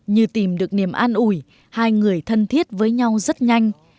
như tìm được niềm an ủi hai người thân thiết với nhau rất nhanh